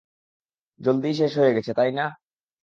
জলদিই শেষ হয়ে গেছে, তাই না?